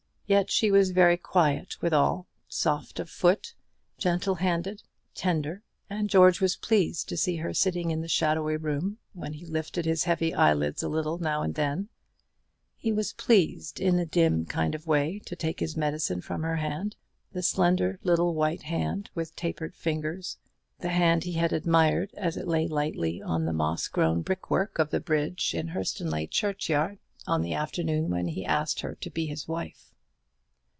Yet she was very quiet withal, soft of foot, gentle handed, tender; and George was pleased to see her sitting in the shadowy room, when he lifted his heavy eyelids a little now and then; he was pleased in a dim kind of way to take his medicine from her hand, the slender little white hand with tapering fingers, the hand he had admired as it lay lightly on the moss grown brickwork of the bridge in Hurstonleigh churchyard on the afternoon when he asked her to be his wife.